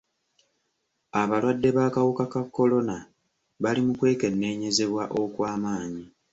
Abalwadde b'akawuka ka kolona bali mu kwekenneenyezebwa okw'amaanyi.